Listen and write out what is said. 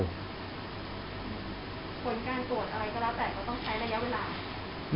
ผลการตรวจอะไรก็แล้วแต่ก็ต้องใช้ระยะเวลา